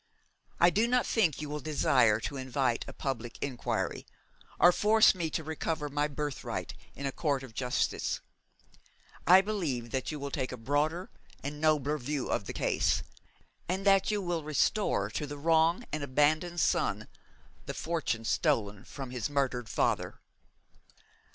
I do not think you will desire to invite a public inquiry, or force me to recover my birthright in a court of justice. I believe that you will take a broader and nobler view of the case, and that you will restore to the wronged and abandoned son the fortune stolen from his murdered father.'